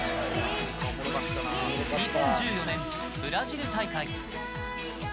２０１４年、ブラジル大会。